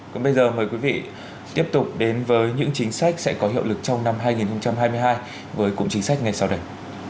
còn bây giờ mời quý vị tiếp tục đến với những chính sách sẽ có hiệu lực trong năm hai nghìn hai mươi hai với cụm chính sách ngay sau đây